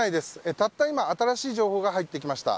たった今、新しい情報が入ってきました。